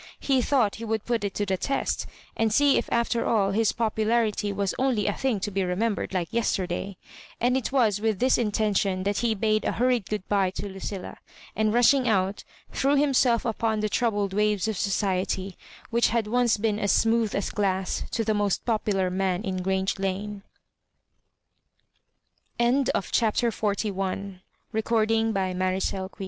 He thought he would put it to the test, and see if after all his popularity was only a thing to be remembered like yesterday — and it was with ill is intention that he bade a hurried good bye to LucjUa, and rushing out, threw himself upon the troubled waves of society, which had once been as smooth as glass to the most popular m